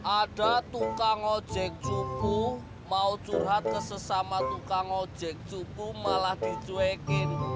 ada tukang ojek cubu mau curhat ke sesama tukang ojek cuku malah dicuekin